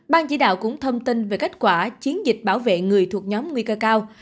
ban chỉ đạo cũng thông tin về kết quả chiến dịch bảo vệ người thuộc nhóm nguy cơ cao